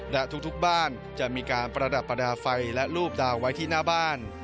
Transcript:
และทุกบ้านจะมีการประดับประดาษไฟและรูปดาวไว้ที่หน้าบ้าน